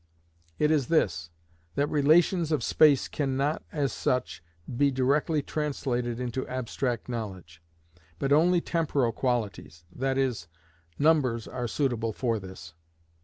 It is this, that relations of space cannot as such be directly translated into abstract knowledge, but only temporal quantities,—that is, numbers, are suitable for this.